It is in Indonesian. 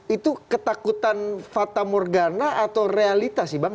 itu ketakutan fata morgana atau realitas sih bang